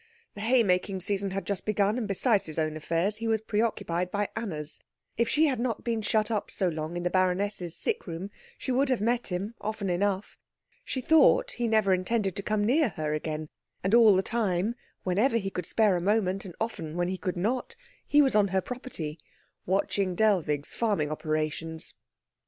The haymaking season had just begun, and besides his own affairs he was preoccupied by Anna's. If she had not been shut up so long in the baroness's sick room she would have met him often enough. She thought he never intended to come near her again, and all the time, whenever he could spare a moment and often when he could not, he was on her property, watching Dellwig's farming operations.